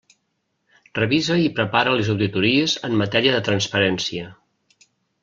Revisa i prepara les auditories en matèria de transparència.